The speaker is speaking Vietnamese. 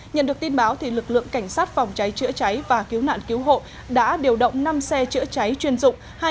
nhận được tin báo lực lượng cảnh sát phòng cháy chữa cháy và cứu nạn cứu hộ đã điều động năm xe chữa cháy chuyên dụng